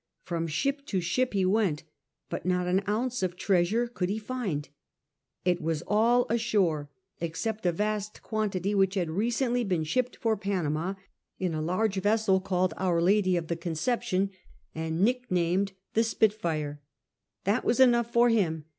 From ship to ship he went, but not aii ounce of treasure could he find. It was all ashore except a vast quantity which had recently been shipped for Panama in a large vessel called Our G 82 SIR FRANCIS DRAKE chap. Lady of the Conception^ and nicknamed the Spitfire} That ^as enough for him.